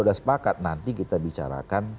sudah sepakat nanti kita bicarakan